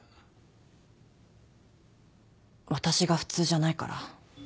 私が普通じゃないから。